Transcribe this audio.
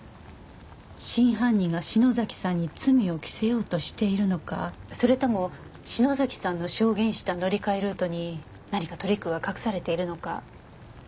真犯人が篠崎さんに罪を着せようとしているのかそれとも篠崎さんの証言した乗り換えルートに何かトリックが隠されているのか。